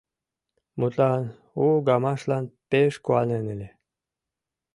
Мутлан, у гамашлан пеш куанен ыле.